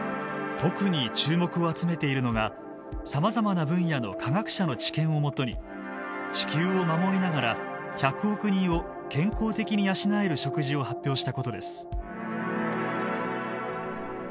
特に注目を集めているのがさまざまな分野の科学者の知見をもとに地球を守りながら１００億人を健康的に養える食事を発表したことです。